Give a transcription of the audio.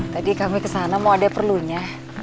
tadi kami ke sana mau ada perlunya